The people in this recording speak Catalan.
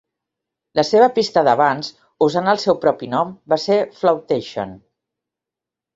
La seva pista d'avanç, usant el seu propi nom, va ser "Flowtation".